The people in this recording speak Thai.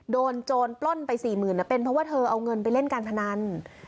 โดนโจรปล้นไป๔๐๐๐๐เนี่ยเป็นเพราะว่าเธอเอาเงินไปเล่นการพนัน